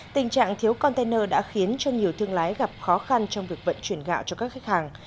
tình trạng thiếu container đã khiến cho nhiều thương lái gặp khó khăn trong việc vận chuyển gạo cho các khách hàng